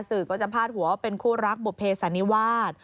สื่อก็จะพาดหัวว่าเป็นคู่รักบุเภสันนิวาส